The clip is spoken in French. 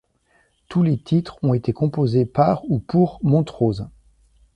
Tous les titres ont été composés par ou pour Montrose.